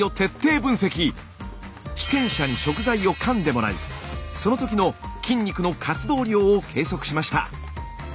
被験者に食材をかんでもらいその時の筋肉の活動量を計測しました。